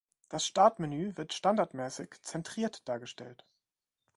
Das Startmenü wird standardmäßig zentriert dargestellt.